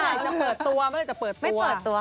เมื่อไหร่จะเปิดตัว